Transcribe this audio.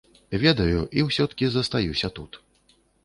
Ведаю, і ўсё-ткі застаюся тут.